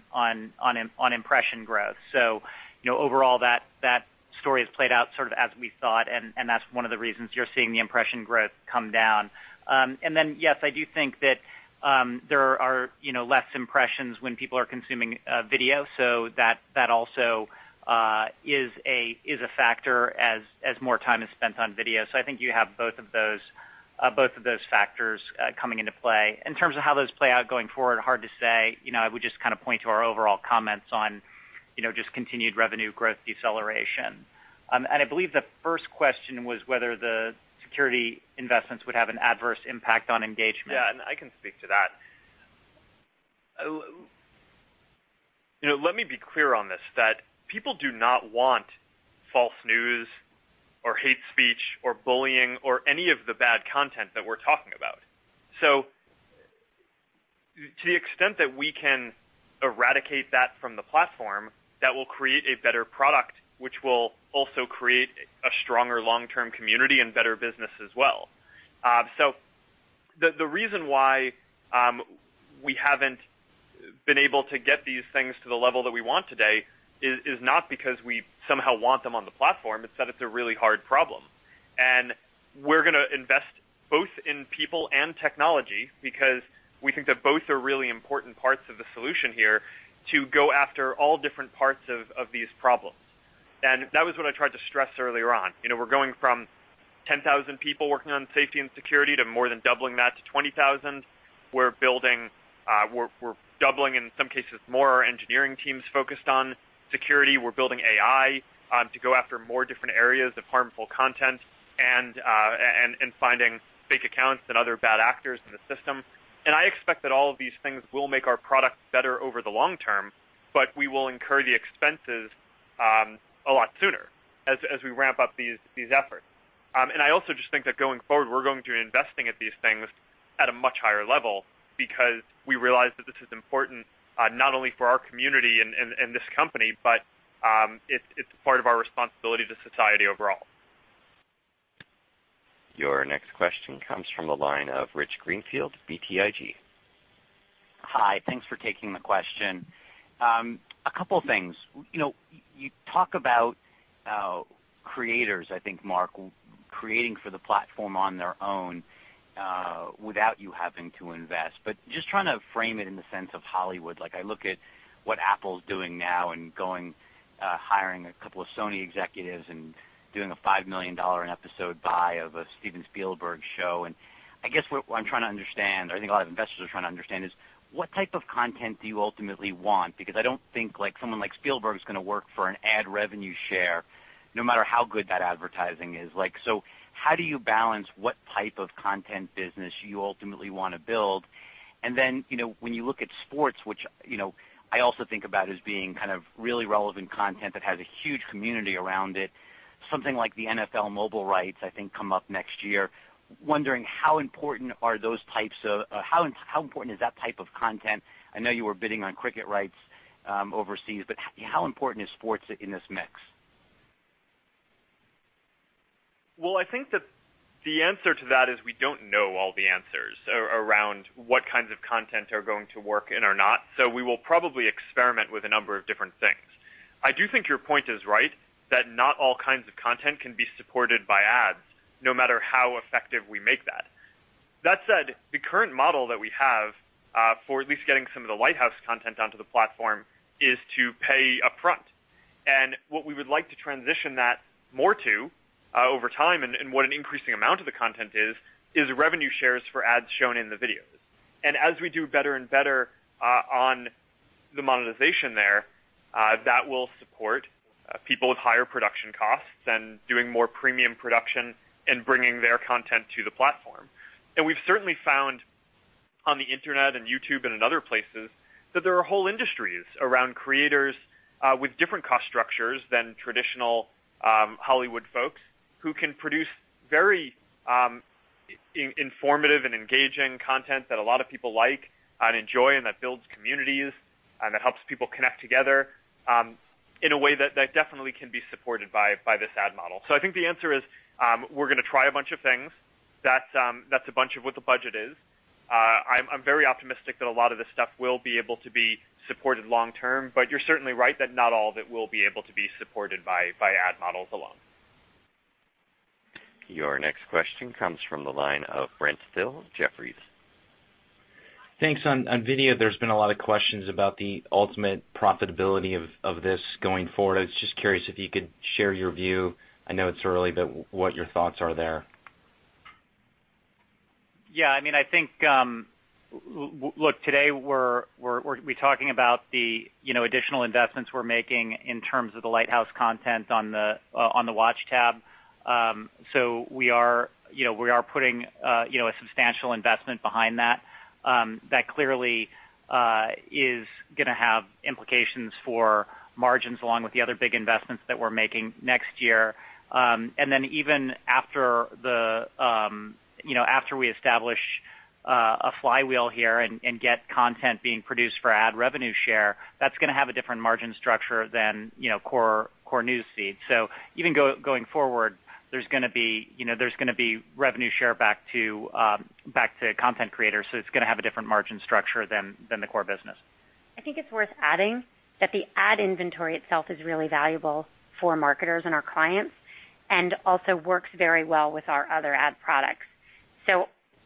impression growth. You know, overall, that story has played out sort of as we thought, and that's one of the reasons you're seeing the impression growth come down. Then, yes, I do think that there are, you know, less impressions when people are consuming video. That also is a factor as more time is spent on video. I think you have both of those, both of those factors coming into play. In terms of how those play out going forward, hard to say. You know, I would just kind of point to our overall comments on, you know, just continued revenue growth deceleration. I believe the first question was whether the security investments would have an adverse impact on engagement. Yeah, I can speak to that. You know, let me be clear on this, that people do not want false news or hate speech or bullying or any of the bad content that we're talking about. To the extent that we can eradicate that from the platform, that will create a better product, which will also create a stronger long-term community and better business as well. The reason why we haven't been able to get these things to the level that we want today is not because we somehow want them on the platform, it's that it's a really hard problem. We're gonna invest both in people and technology because we think that both are really important parts of the solution here to go after all different parts of these problems. That was what I tried to stress earlier on. You know, we're going from 10,000 people working on safety and security to more than doubling that to 20,000. We're building, we're doubling, in some cases, more our engineering teams focused on security. We're building AI to go after more different areas of harmful content and finding fake accounts and other bad actors in the system. I expect that all of these things will make our product better over the long term, but we will incur the expenses a lot sooner as we ramp up these efforts. I also just think that going forward, we're going to be investing at these things at a much higher level because we realize that this is important, not only for our community and this company, but it's part of our responsibility to society overall. Your next question comes from the line of Rich Greenfield, BTIG. Hi. Thanks for taking the question. A couple things. You know, you talk about creators, I think, Mark, creating for the platform on their own, without you having to invest. Just trying to frame it in the sense of Hollywood. Like, I look at what Apple's doing now and going, hiring a couple of Sony executives and doing a $5 million an episode buy of a Steven Spielberg show. I guess what I'm trying to understand, or I think a lot of investors are trying to understand is, what type of content do you ultimately want? I don't think, like, someone like Spielberg's gonna work for an ad revenue share no matter how good that advertising is. Like, how do you balance what type of content business you ultimately wanna build? Then, you know, when you look at sports, which, you know, I also think about as being kind of really relevant content that has a huge community around it, something like the NFL mobile rights, I think, come up next year. Wondering how important is that type of content? I know you were bidding on cricket rights overseas, but how important is sports in this mix? Well, I think that the answer to that is we don't know all the answers around what kinds of content are going to work and are not. We will probably experiment with a number of different things. I do think your point is right, that not all kinds of content can be supported by ads no matter how effective we make that. That said, the current model that we have for at least getting some of the Lighthouse content onto the platform is to pay upfront. What we would like to transition that more to over time and what an increasing amount of the content is revenue shares for ads shown in the videos. As we do better and better on the monetization there, that will support people with higher production costs and doing more premium production and bringing their content to the platform. We've certainly found on the internet and YouTube and in other places that there are whole industries around creators with different cost structures than traditional Hollywood folks who can produce very informative and engaging content that a lot of people like and enjoy and that builds communities and that helps people connect together in a way that definitely can be supported by this ad model. I think the answer is, we're gonna try a bunch of things. That's a bunch of what the budget is. I'm very optimistic that a lot of this stuff will be able to be supported long term, but you're certainly right that not all of it will be able to be supported by ad models alone. Your next question comes from the line of Brent Thill, Jefferies. Thanks. On video, there's been a lot of questions about the ultimate profitability of this going forward. I was just curious if you could share your view. I know it's early, but what your thoughts are there? Yeah, I mean, I think, look, today we're talking about the, you know, additional investments we're making in terms of the Lighthouse content on the Watch tab. We are, you know, we are putting a substantial investment behind that clearly is gonna have implications for margins, along with the other big investments that we're making next year. Then even after the, you know, after we establish a flywheel here and get content being produced for ad revenue share, that's gonna have a different margin structure than, you know, core News Feed. Even going forward, there's gonna be, you know, there's gonna be revenue share back to content creators. It's gonna have a different margin structure than the core business. I think it's worth adding that the ad inventory itself is really valuable for marketers and our clients, also works very well with our other ad products.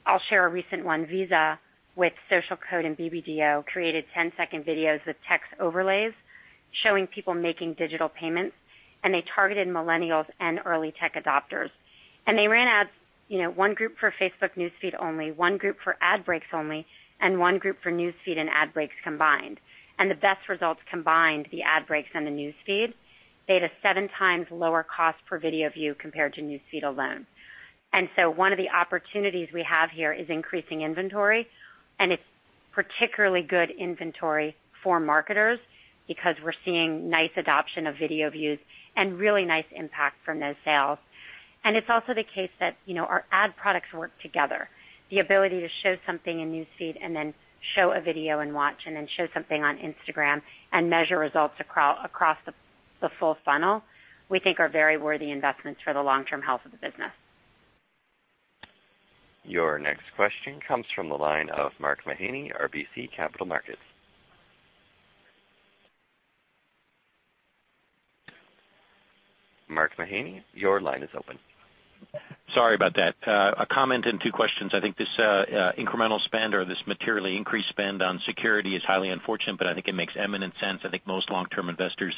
I'll share a recent one. Visa, with SocialCode and BBDO, created 10-second videos with text overlays showing people making digital payments, and they targeted millennials and early tech adopters. They ran ads, you know, one group for Facebook News Feed only, one group for ad breaks only, and one group for News Feed and ad breaks combined. The best results combined the ad breaks and the News Feed. They had a seven times lower cost per video view compared to News Feed alone. One of the opportunities we have here is increasing inventory, and it's particularly good inventory for marketers because we're seeing nice adoption of video views and really nice impact from those sales. It's also the case that, you know, our ad products work together. The ability to show something in News Feed and then show a video in Watch and then show something on Instagram and measure results across the full funnel, we think are very worthy investments for the long-term health of the business. Your next question comes from the line of Mark Mahaney, RBC Capital Markets. Mark Mahaney, your line is open. Sorry about that. A comment and two questions. I think this incremental spend or this materially increased spend on security is highly unfortunate, but I think it makes eminent sense. I think most long-term investors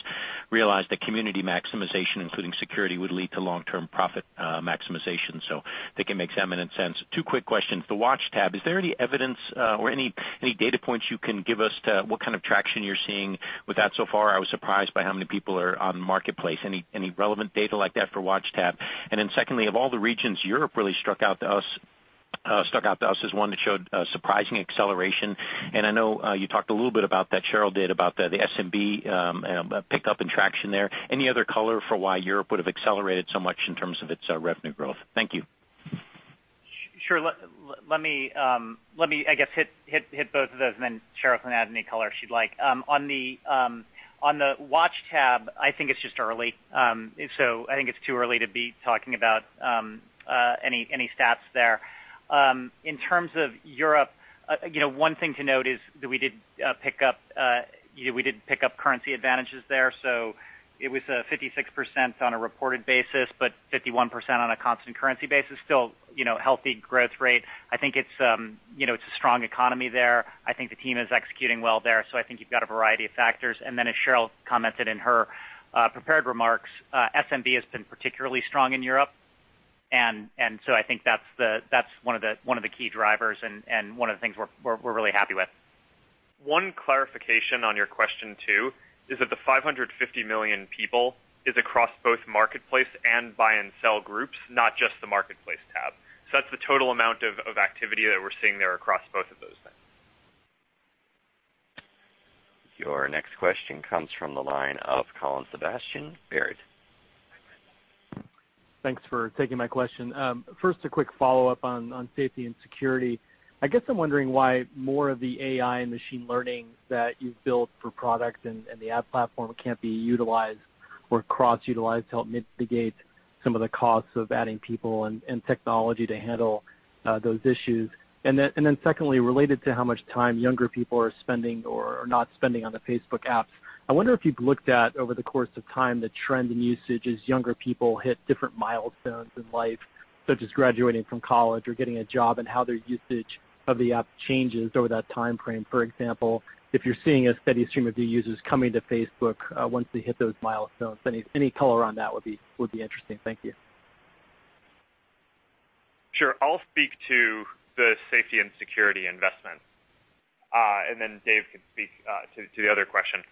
realize that community maximization, including security, would lead to long-term profit maximization. I think it makes eminent sense. Two quick questions. The Watch tab, is there any evidence or any data points you can give us to what kind of traction you're seeing with that so far? I was surprised by how many people are on Marketplace. Any relevant data like that for Watch tab? Secondly, of all the regions, Europe really stuck out to us as one that showed surprising acceleration. I know, you talked a little bit about that, Sheryl did, about the SMB pickup in traction there. Any other color for why Europe would have accelerated so much in terms of its revenue growth? Thank you. Sure. Let me, I guess, hit both of those and then Sheryl can add any color she'd like. On the Watch tab, I think it's just early. I think it's too early to be talking about any stats there. In terms of Europe, you know, one thing to note is that we did pick up currency advantages there. It was 56% on a reported basis, but 51% on a constant currency basis. Still, you know, healthy growth rate. I think it's, you know, a strong economy there. I think the team is executing well there, I think you've got a variety of factors. As Sheryl commented in her prepared remarks, SMB has been particularly strong in Europe. I think that's one of the key drivers and one of the things we're really happy with. One clarification on your question two is that the 550 million people is across both Marketplace and Buy and Sell Groups, not just the Marketplace tab. That's the total amount of activity that we're seeing there across both of those things. Your next question comes from the line of Colin Sebastian, Baird. Thanks for taking my question. First, a quick follow-up on safety and security. I guess I'm wondering why more of the AI and machine learning that you've built for products and the ad platform can't be utilized or cross-utilized to help mitigate some of the costs of adding people and technology to handle those issues. Secondly, related to how much time younger people are spending or are not spending on the Facebook app, I wonder if you've looked at, over the course of time, the trend in usage as younger people hit different milestones in life, such as graduating from college or getting a job, and how their usage of the app changes over that timeframe. For example, if you're seeing a steady stream of new users coming to Facebook once they hit those milestones. Any color on that would be interesting. Thank you. Sure. I'll speak to the safety and security investment, and then Dave can speak to the other question.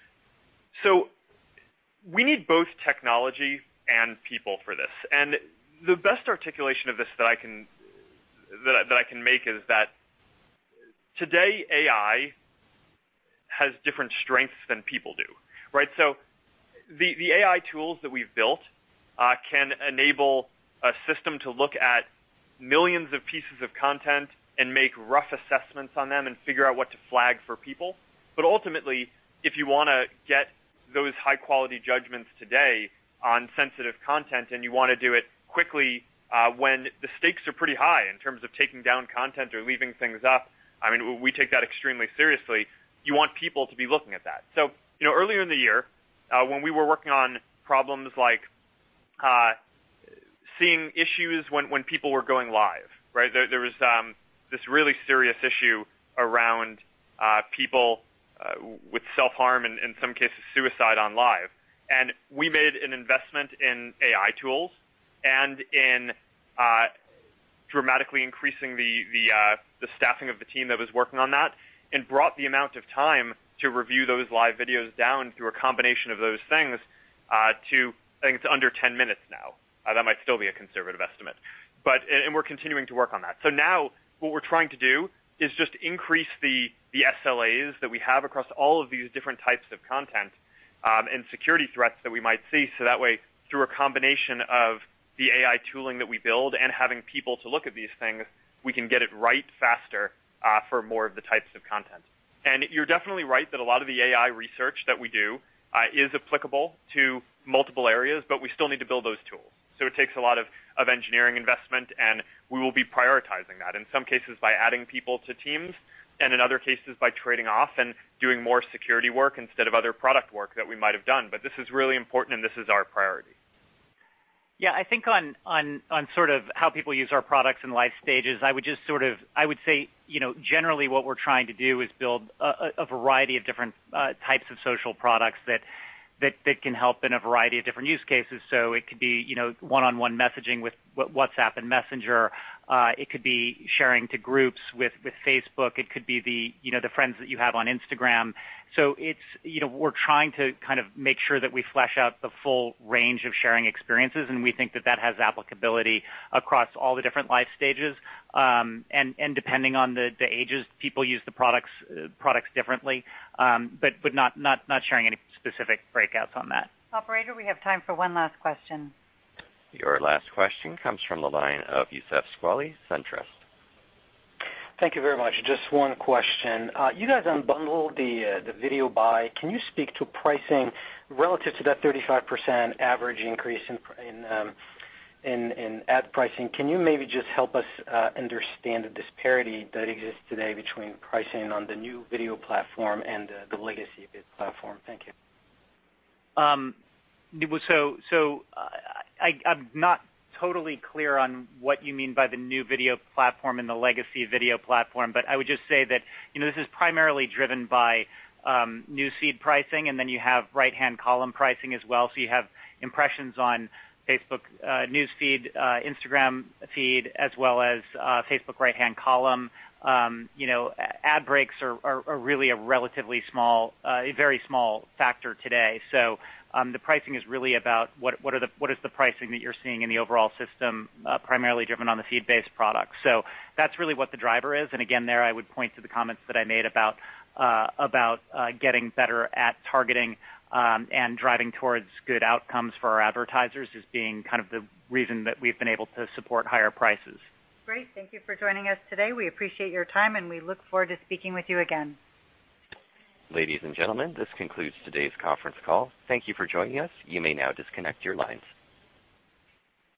We need both technology and people for this. The best articulation of this that I can make is that today, AI has different strengths than people do, right? The AI tools that we've built can enable a system to look at millions of pieces of content and make rough assessments on them and figure out what to flag for people. Ultimately, if you want to get those high-quality judgments today on sensitive content, and you want to do it quickly, when the stakes are pretty high in terms of taking down content or leaving things up. I mean, we take that extremely seriously. You want people to be looking at that. You know, earlier in the year, when we were working on problems like seeing issues when people were going live, right? There was this really serious issue around people with self-harm and in some cases, suicide on live. We made an investment in AI tools and in dramatically increasing the staffing of the team that was working on that, and brought the amount of time to review those live videos down through a combination of those things, to I think it's under 10 minutes now. That might still be a conservative estimate, but, and we're continuing to work on that. Now what we're trying to do is just increase the SLAs that we have across all of these different types of content and security threats that we might see. That way, through a combination of the AI tooling that we build and having people to look at these things, we can get it right faster for more of the types of content. You're definitely right that a lot of the AI research that we do is applicable to multiple areas, but we still need to build those tools. It takes a lot of engineering investment, and we will be prioritizing that, in some cases by adding people to teams and in other cases by trading off and doing more security work instead of other product work that we might have done. This is really important, and this is our priority. I think on sort of how people use our products in life stages, I would just say, you know, generally what we're trying to do is build a variety of different types of social products that can help in a variety of different use cases. It could be, you know, one-on-one messaging with WhatsApp and Messenger. It could be sharing to groups with Facebook. It could be the, you know, the friends that you have on Instagram. It's, you know, we're trying to kind of make sure that we flesh out the full range of sharing experiences, and we think that that has applicability across all the different life stages. And depending on the ages, people use the products differently. Not sharing any specific breakouts on that. Operator, we have time for one last question. Your last question comes from the line of Youssef Squali, SunTrust. Thank you very much. Just one question. You guys unbundled the video buy. Can you speak to pricing relative to that 35% average increase in ad pricing? Can you maybe just help us understand the disparity that exists today between pricing on the new video platform and the legacy vid platform? Thank you. I'm not totally clear on what you mean by the new video platform and the legacy video platform, but I would just say that, you know, this is primarily driven by News Feed pricing, and then you have right-hand column pricing as well. You have impressions on Facebook, News Feed, Instagram feed, as well as Facebook right-hand column. You know, ad breaks are really a relatively small, a very small factor today. The pricing is really about what is the pricing that you're seeing in the overall system, primarily driven on the feed-based product. That's really what the driver is. Again, there I would point to the comments that I made about about getting better at targeting and driving towards good outcomes for our advertisers as being kind of the reason that we've been able to support higher prices. Great. Thank you for joining us today. We appreciate your time, and we look forward to speaking with you again. Ladies and gentlemen, this concludes today's conference call. Thank you for joining us. You may now disconnect your lines.